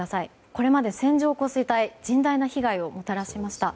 これまで線状降水帯甚大な被害をもたらしました。